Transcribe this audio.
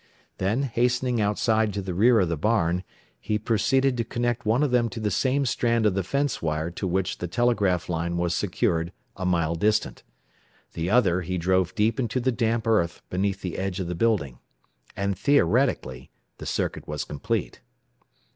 Then, hastening outside to the rear of the barn, he proceeded to connect one of them to the same strand of the fence wire to which the telegraph line was secured a mile distant. The other he drove deep into the damp earth beneath the edge of the building. And, theoretically, the circuit was complete.